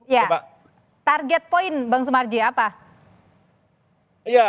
ya target poin bang sumarji apa